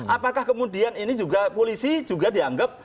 apakah kemudian ini juga polisi juga dianggap